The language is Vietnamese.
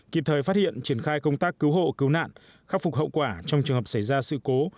kịp thời phát hiện triển khai công tác cứu hộ cứu nạn khắc phục hậu quả trong trường hợp xảy ra sự cố